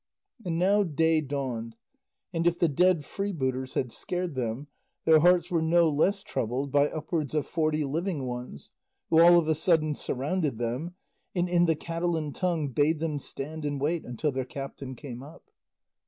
And now day dawned; and if the dead freebooters had scared them, their hearts were no less troubled by upwards of forty living ones, who all of a sudden surrounded them, and in the Catalan tongue bade them stand and wait until their captain came up.